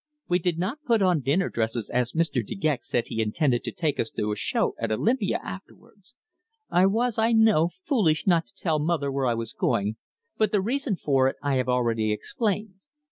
We did not put on dinner dresses as Mr. De Gex said he intended to take us to a show at Olympia afterwards. I was, I know, foolish not to tell mother where I was going, but the reason for it I have already explained.